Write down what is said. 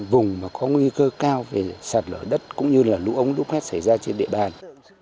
vùng mà có nguy cơ cao về sạt lở đất cũng như là lũ ống lũ quét xảy ra trên địa bàn